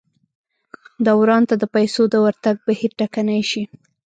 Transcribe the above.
دوران ته د پیسو د ورتګ بهیر ټکنی شي.